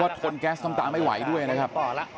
ว่าคนแก๊สสั็นต์ตามไม่ไหวด้วยนะครับ